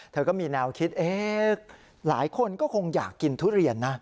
เธอก็มีแนวคิดหลายคนก็คงอยากกินทุเรียนนะ